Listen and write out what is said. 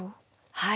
はい。